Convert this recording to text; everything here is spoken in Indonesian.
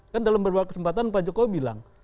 kan dalam beberapa kesempatan pak jokowi bilang